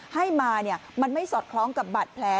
ให้มามันไม่สอดคล้องกับบาดแผล